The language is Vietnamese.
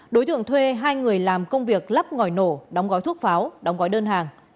đối tượng thuê hai người làm công việc lắp ngòi nổ đóng gói thuốc pháo đóng gói đơn hàng